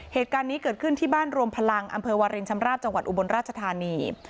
เหตุการณ์นี้เกิดขึ้นที่บ้านรวมพลังอำเภอวารินชำราบจังหวัดอุบลราชธานี